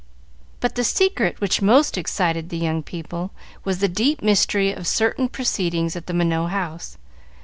But the secret which most excited the young people was the deep mystery of certain proceedings at the Minot house.